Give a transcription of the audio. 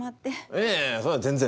いやいやそれは全然。